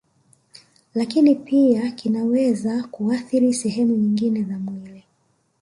Lakini pia kinaweza kuathiri sehemu nyingine za mwili